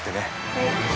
はい。